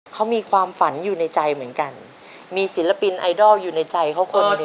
เขามีความฝันอยู่ในใจเหมือนกันมีศิลปินไอดอลอยู่ในใจเขาคนหนึ่ง